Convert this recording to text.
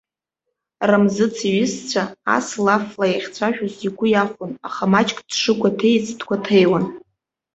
Рамзыц иҩызцәа ас лафла иахьцәажәоз игәы иахәон, аха маҷк дшыгәаҭеиц дгәаҭеиуан.